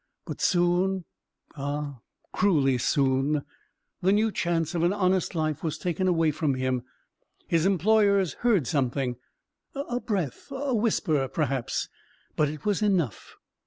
But soon—ah, cruelly soon!—the new chance of an honest life was taken away from him. His employers heard something: a breath, a whisper, perhaps: but it was enough.